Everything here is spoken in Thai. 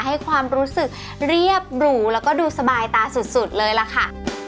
ให้ความรู้สึกเรียบหรูแล้วก็ดูสบายตาสุดเลยล่ะค่ะ